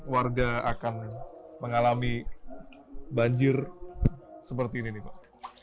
warga akan mengalami banjir seperti ini nih pak